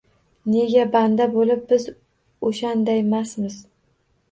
Nega banda boʻlib biz oʻshandaymasmiz